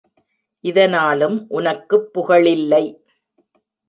இதனாலும் உனக்குப் புகழில்லை.